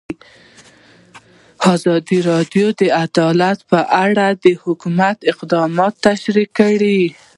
ازادي راډیو د عدالت په اړه د حکومت اقدامات تشریح کړي.